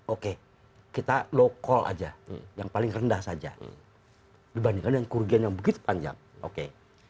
oke kita low call aja yang paling rendah saja dibandingkan yang kerugian yang begitu panjang oke